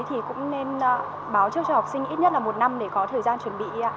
thì cũng nên báo trước cho học sinh ít nhất là một năm để có thời gian chuẩn bị